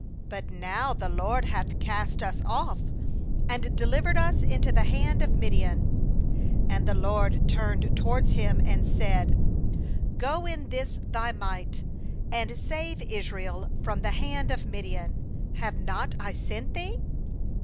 but now the LORD hath cast us off, and delivered us into the hand of Midian.' 14And the LORD turned towards him, and said: 'Go in this 300 JUDGES 6.34 thy might, and save Israel from the hand of Midian; have not I sent thee?'